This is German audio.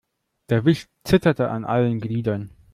Der Wicht zitterte an allen Gliedern.